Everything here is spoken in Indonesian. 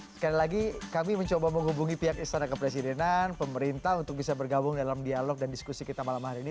sekali lagi kami mencoba menghubungi pihak istana kepresidenan pemerintah untuk bisa bergabung dalam dialog dan diskusi kita malam hari ini